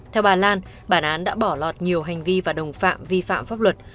theo bà lan bản án đã bỏ lọt nhiều hành vi và đồng phạm vi phạm pháp luật